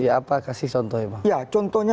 ya apa kasih contoh ya pak ya contohnya